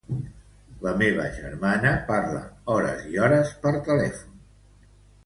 La meva germana parla hores i hores per telèfon.